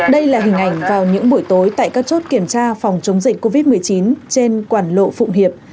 đây là hình ảnh vào những buổi tối tại các chốt kiểm tra phòng chống dịch covid một mươi chín trên quản lộ phụng hiệp